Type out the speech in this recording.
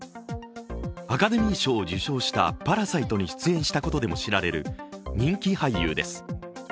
アカデミー賞を受賞した「パラサイト」に出演したことでも知られる人気俳優です。